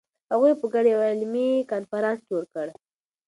هغوی په ګډه یو علمي کنفرانس جوړ کړ.